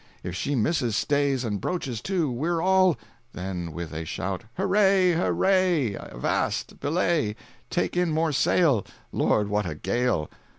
If she misses stays and broaches to, We're all"—then with a shout, "Huray! huray! Avast! belay! Take in more sail! Lord, what a gale!